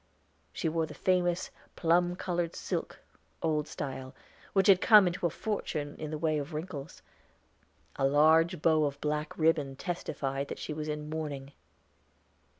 She wore the famous plum colored silk, old style, which had come into a fortune in the way of wrinkles. A large bow of black ribbon testified that she was in mourning.